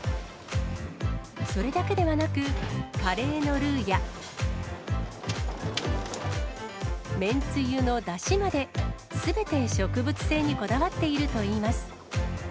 それだけではなく、カレーのルーやめんつゆのだしまで、すべて植物性にこだわっているといいます。